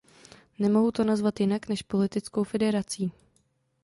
Nemohu to nazvat jinak než politickou federací.